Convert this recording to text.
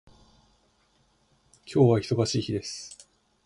今日は忙しい日です。